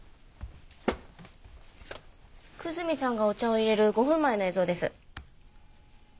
久住さんがお茶を淹れる５分前の映像です。